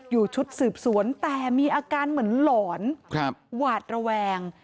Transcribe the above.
ชุดสืบสวนแต่มีอาการเหมือนหลอนหวาดระแวง